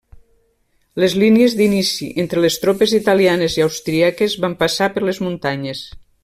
Les línies d’inici entre les tropes italianes i austríaques van passar per les muntanyes.